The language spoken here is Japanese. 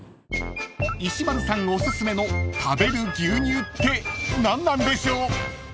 ［石丸さんおすすめの食べる牛乳って何なんでしょう？］